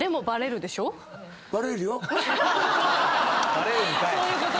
バレるんかい！